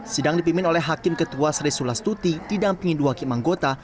sidang dipimpin oleh hakim ketua seri sulastuti didampingi dua kimanggota